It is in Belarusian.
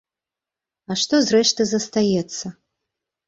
А што, зрэшты, застаецца?